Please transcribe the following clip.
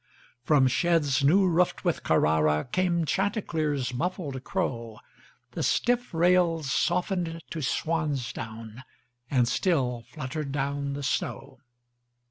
From sheds new roofed with CarraraCame Chanticleer's muffled crow, The stiff rails softened to swan's down, And still fluttered down the snow.